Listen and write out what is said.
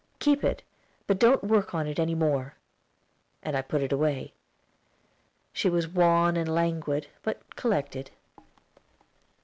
"Keep it; but don't work on it any more." And I put it away. She was wan and languid, but collected.